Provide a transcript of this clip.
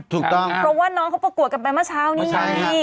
เพราะว่าน้องเค้าประกวดกันไปเมื่อเช้านี้